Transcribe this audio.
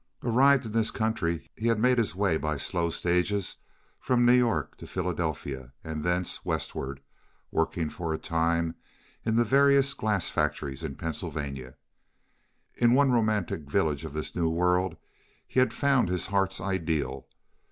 Arrived in this country, he had made his way, by slow stages, from New York to Philadelphia, and thence westward, working for a time in the various glass factories in Pennsylvania. In one romantic village of this new world he had found his heart's ideal.